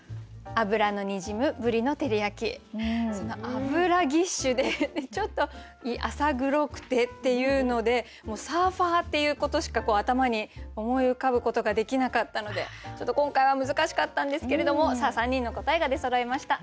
脂ギッシュでちょっと浅黒くてっていうのでもうサーファーっていうことしか頭に思い浮かぶことができなかったので今回は難しかったんですけれども３人の答えが出そろいました。